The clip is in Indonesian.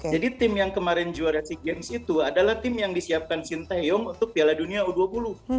jadi tim yang kemarin juara sea games itu adalah tim yang disiapkan sintayong untuk piala dunia u dua puluh